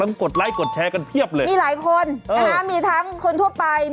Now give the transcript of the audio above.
แล้วก็กดไลค์กดแชร์กันเทียบเลยมีหลายคนทั้งคนทั่วไปลองกด